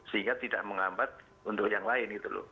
sehingga tidak menghambat untuk yang lain gitu loh